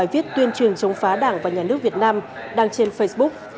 những bài viết tuyên truyền chống phá đảng và nhà nước việt nam đang trên facebook